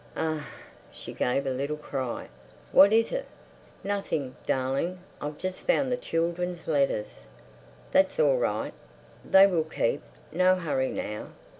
"A ah!" She gave a little cry. "What is it?" "Nothing, darling. I've just found the children's letters. That's all right! They will keep. No hurry now!"